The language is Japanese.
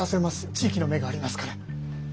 地域の目がありますから。